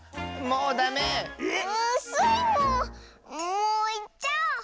もういっちゃおう！